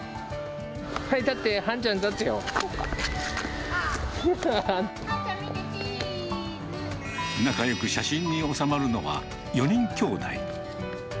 はい、立って、仲よく写真に納まるのは、４人きょうだい。